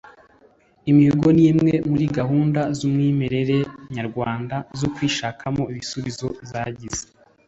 Imihigo ni imwe muri gahunda z umwimerere nyarwanda zo kwishakamo ibisubizo zagize